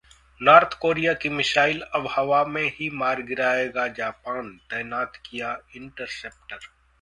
north Korea की missile अब हवा में ही मार गिराएगा जापान, तैनात किया इंटरसेप्टर